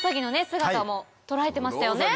姿も捉えてましたよね。